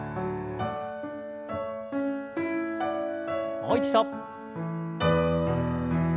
もう一度。